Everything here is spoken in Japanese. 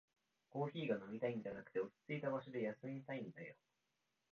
コーヒーが飲みたいんじゃなくて、落ちついた場所で休みたいんだよ